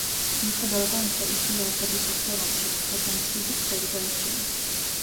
მიუხედავად ამისა, იგი არ გადასახლდა რომში, რადგან მშვიდი ცხოვრება ერჩივნა.